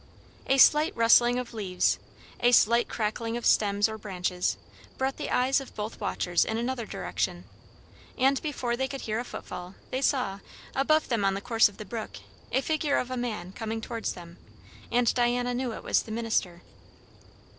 A slight rustling of leaves, a slight crackling of stems or branches, brought the eyes of both watchers in another direction; and before they could hear a footfall, they saw, above them on the course of the brook, a figure of a man coming towards them, and Diana knew it was the minister.